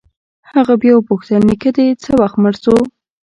هغه بيا وپوښتل نيکه دې څه وخت مړ سو.